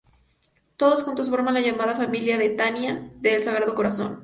Todos juntos forman la llamada familia Betania del Sagrado Corazón.